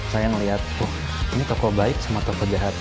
saya melihat oh ini toko baik sama toko jahat